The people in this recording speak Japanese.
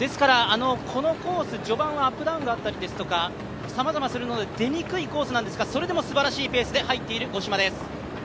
このコース、序盤はアップダウンがあったりですとか、さまざまなするので出にくいコースなんですが、それでもすばらしいペースで入っている五島です。